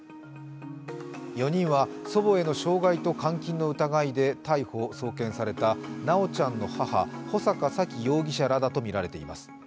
４人は祖母への傷害と監禁の疑いで逮捕・送検された修ちゃんの母・穂坂沙喜容疑者らとみられています。